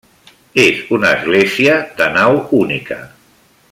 És una església de nau única.